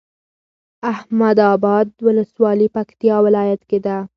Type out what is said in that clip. احمداباد ولسوالي پکتيا ولايت کي ده